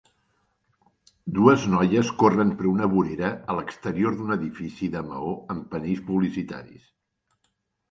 Dues noies corren per una vorera a l'exterior d'un edifici de maó amb panells publicitaris.